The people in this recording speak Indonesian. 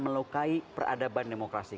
melukai peradaban demokrasi